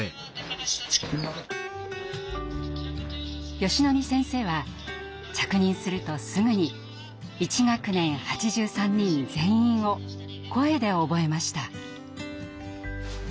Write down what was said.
よしのり先生は着任するとすぐに１学年８３人全員を声で覚えました。